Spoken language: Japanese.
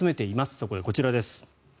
そこで、こちらです。